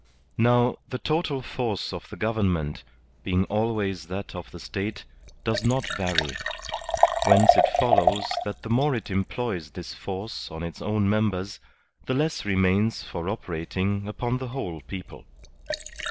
Now, the total force of the government, being always that of the State, does not vary; whence it follows that the more it employs this force on its own members, the less remains for operating upon the whole people.